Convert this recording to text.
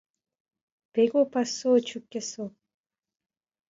배고파서 죽겠어